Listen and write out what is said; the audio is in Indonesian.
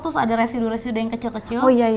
terus ada residu residu yang kecil kecil